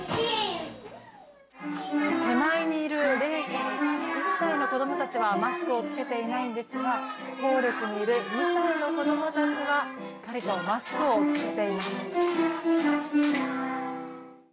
手前にいる０歳から１歳の子供たちはマスクを着けていないんですが後列にいる２歳の子供たちは、しっかりとマスクを着けています。